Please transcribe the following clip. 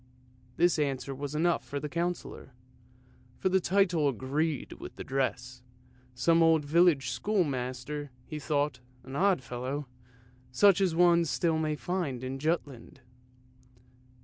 This answer was enough for the Councillor, for the title agreed with the dress. Some old village schoolmaster, he thought, an odd fellow, such as one still may find in Jutland.